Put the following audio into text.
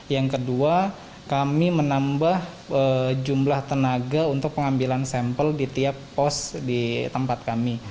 yang kedua kami menambah jumlah tenaga untuk pengambilan sampel di tiap pos di tempat kami